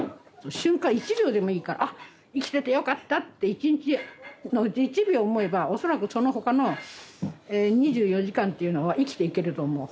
瞬間１秒でもいいから「あ生きててよかった」って１日のうち１秒思えば恐らくその他の２４時間っていうのは生きていけると思う。